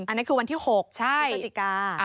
อันนี้คือวันที่๖พฤศจิกา